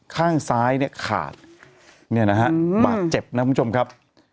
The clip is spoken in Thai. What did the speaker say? ข้างซ้ายเนี่ยขาดเนี่ยนะฮะบาดเจ็บนะคุณผู้ชมครับ